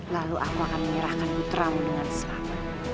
lalu aku akan menyerahkan putramu dengan selamat